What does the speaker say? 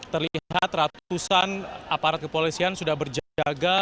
terlihat ratusan aparat kepolisian sudah berjaga